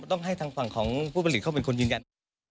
ต้องให้ทางฝั่งของผู้ผลิตเขาเป็นคนยืนยัน